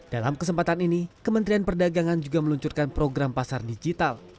dalam kesempatan ini kementerian perdagangan juga meluncurkan program pasar digital